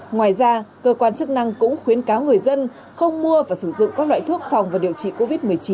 ngoài ra cơ quan chức năng cũng khuyến cáo người dân không mua và sử dụng các loại thuốc phòng và điều trị covid một mươi chín